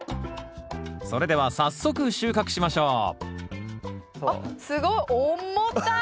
それでは早速収穫しましょうあっすごい重たっ！